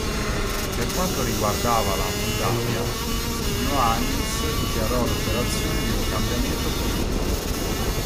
Per quanto riguardava la Moldavia, Iohannis dichiarò l'operazione di un cambiamento politico.